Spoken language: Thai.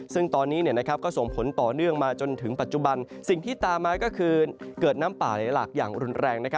ซึ่งตอนนี้ก็ส่งผลต่อเนื่องมาจนถึงปัจจุบันสิ่งที่ตามมาก็คือเกิดน้ำป่าไหลหลากอย่างรุนแรง